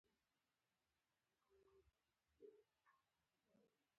زه ستا سره مینه کوم